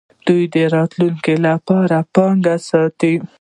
دوی د راتلونکي لپاره پانګه ساتي.